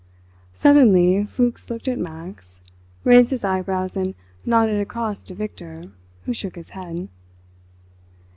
Suddenly Fuchs looked at Max, raised his eyebrows and nodded across to Victor, who shook his head.